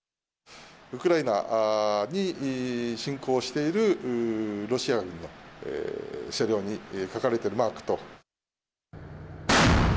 ウクライナに侵攻しているロシア軍の車両に描かれているマークと。